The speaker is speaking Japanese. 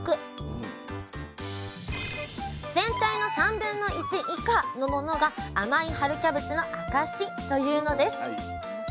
全体の1/3以下のものが甘い春キャベツの証しというのです！